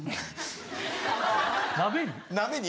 鍋に？